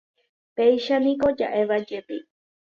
Péichaniko ja'évajepi